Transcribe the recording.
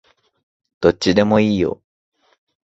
どっちでもいいよ